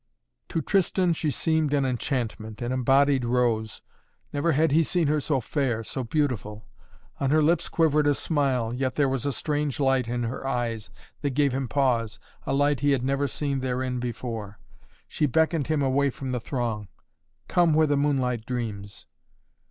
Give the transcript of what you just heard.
To Tristan she seemed an enchantment, an embodied rose. Never had he seen her so fair, so beautiful. On her lips quivered a smile, yet there was a strange light in her eyes, that gave him pause, a light he had never seen therein before. She beckoned him away from the throng. "Come where the moonlight dreams."